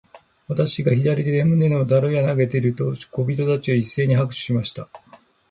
私が左手で胸の上の樽を投げてやると、小人たちは一せいに拍手しました。